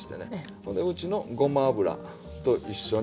ほんでうちのごま油と一緒に。